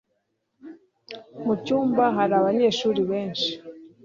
Mucyumba hari abanyeshuri benshi.